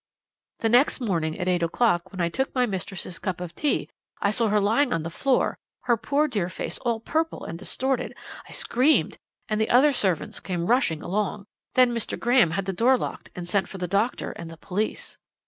"'The next morning at eight o'clock, when I took in my mistress's cup of tea, I saw her lying on the floor, her poor dear face all purple and distorted. I screamed, and the other servants came rushing along. Then Mr. Graham had the door locked and sent for the doctor and the police.'